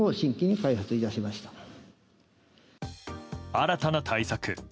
新たな対策。